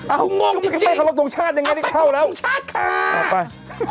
เอ้างงจริงไปเคารพตรงชาติยังไงได้เข้าแล้วไปเคารพตรงชาติค่ะไป